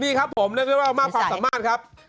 นี่ครับค่ะนี่รูปนี้ก็คือเรื่องบ้านความสามารถ